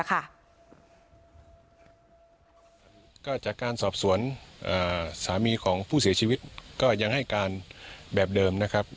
ก็จากการสอบสวนสามีของผู้เสียชีวิตก็ยังให้การแบบเดิมนะครับ